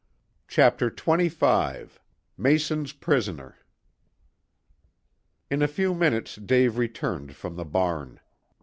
CHAPTER XXV MASON'S PRISONER In a few minutes Dave returned from the barn.